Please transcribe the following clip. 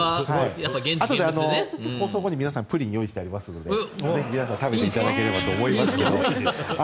あとで放送後に皆さんプリンを用意してますのでぜひ皆さん食べていただければと思います。